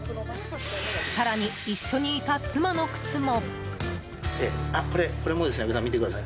更に、一緒にいた妻の靴も。